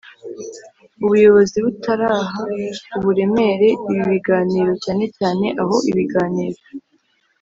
Ubuyobozi butaraha uburemere ibi biganiro cyane cyane aho ibiganiro